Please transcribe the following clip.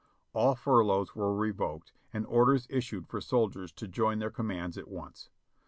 All furloughs were revoked and orders issued for soldiers to join their commands at once.